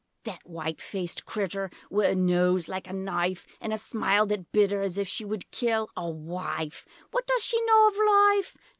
The white faced critter Wi' a noaz like a knife An' a smile that bitter As if she would kill. A wife! What does she know of life?